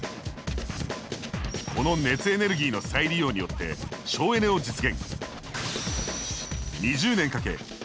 この熱エネルギーの再利用によって省エネを実現。